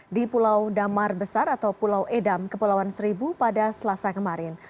di pulau damar besar atau pulau edam kepulauan seribu pada selasa kemarin